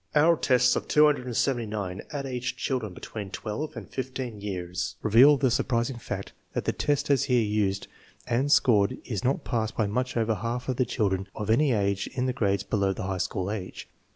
1 Our tests of 279 " at age " children between 12 and 15 years reveal the surprising fact that the test as here used and scored is not passed by much over half of the children of any age in the grades below the high school age.